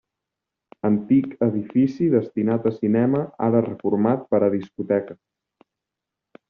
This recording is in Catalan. Antic edifici destinat a cinema ara reformat per a discoteca.